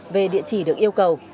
về địa chỉ được yêu cầu